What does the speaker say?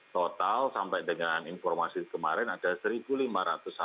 total sampai dengan informasi kemarin ada satu lima ratus orang